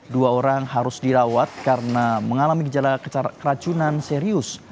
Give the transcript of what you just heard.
dua orang harus dirawat karena mengalami gejala keracunan serius